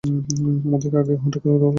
আমাদের আগে ওটাকে দখল করতে হবে।